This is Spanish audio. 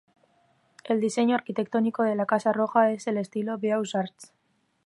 El diseño arquitectónico de la Casa Roja es de estilo Beaux-Arts.